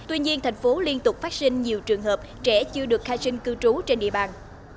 tuy nhiên thành phố liên tục phát sinh nhiều trường hợp trẻ chưa được khai sinh cư trú trên địa bàn